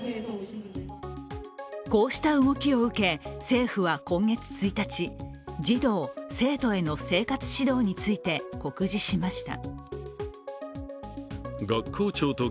こうした動きを受け政府は今月１日、児童生徒への生活指導について告示しました。